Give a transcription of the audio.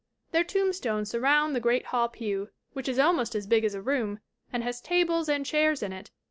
Their tombstones surround the great Hall pew, which is almost as big as a room, and has tables and chairs in it.